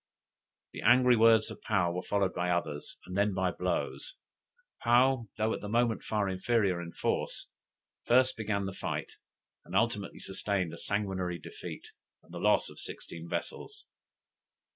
The angry words of Paou were followed by others, and then by blows. Paou, though at the moment far inferior in force, first began the fight, and ultimately sustained a sanguinary defeat, and the loss of sixteen vessels.